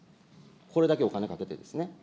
これだけお金かけてですね。